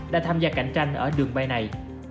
đã tham gia cạnh tranh ở đường bay này